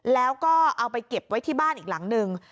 แล้วก็เอาไปเก็บไว้ที่บ้านอีกหลังหนึ่ง